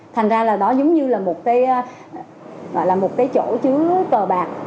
thành ra là đó giống như là một cái chỗ chứa cờ bạc